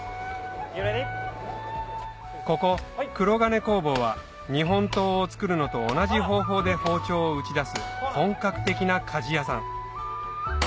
ここくろがね工房は日本刀を作るのと同じ方法で包丁を打ち出す本格的な鍛冶屋さん